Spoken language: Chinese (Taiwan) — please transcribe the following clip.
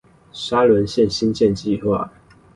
沙崙線興建計畫